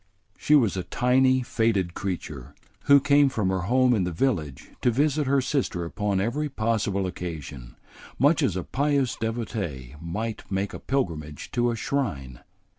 She was a tiny, faded creature, who came from her home in the village to visit her sister upon every possible occasion, much as a pious devotee might make a pilgrimage to a shrine.